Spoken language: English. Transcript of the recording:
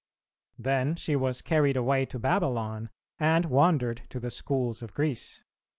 Then she was carried away to Babylon, and wandered to the schools of Greece.